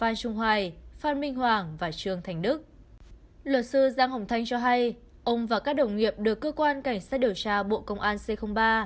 luật sư giang hồng thanh cho hay ông và các đồng nghiệp được cơ quan cảnh sát điều tra bộ công an c ba